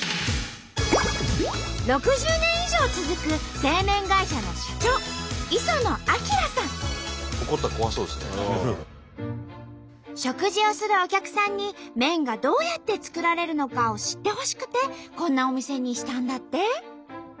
６０年以上続く食事をするお客さんに麺がどうやって作られるのかを知ってほしくてこんなお店にしたんだって。